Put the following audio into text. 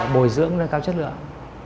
bồi dưỡng lên cao chất lượng